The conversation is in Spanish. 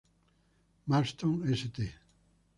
Marston St.